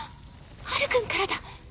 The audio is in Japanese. ハル君からだ。